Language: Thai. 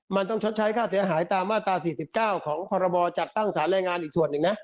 มันต้องชดใช้ค่าเสียหายตามมาตรา๔๙ของพรบจัดตั้งสารแรงงานอีกส่วนหนึ่งนะ